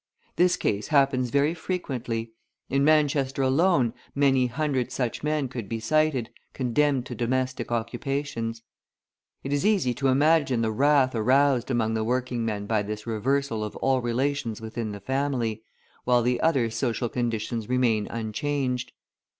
This case happens very frequently; in Manchester alone, many hundred such men could be cited, condemned to domestic occupations. It is easy to imagine the wrath aroused among the working men by this reversal of all relations within the family, while the other social conditions remain unchanged.